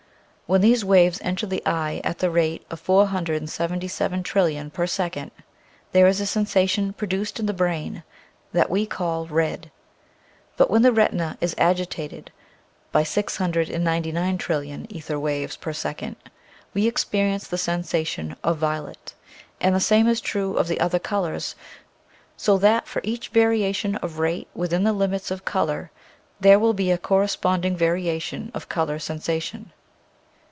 When these waves enter the eye at the rate of 477,000,000,000,000 per second there is a sensation produced in the brain that we call red, but when the retina is agitated by 699,000,000,000,000 ether waves per second we experience the sensation of violet, and the same is true of the other colors; so that for each variation of rate within the limits of color there will be a corresponding variation of color sensation.